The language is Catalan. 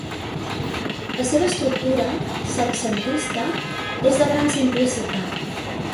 La seva estructura, setcentista, és de gran simplicitat.